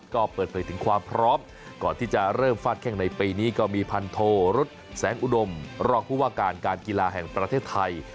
ก็เปิดเผยถึงความพร้อมก่อนที่จะเริ่มฟาดแข้งในปีนี้ก็มีพันโทรุษแสงอุดมรองผู้ว่าการการกีฬาแห่งประเทศไทย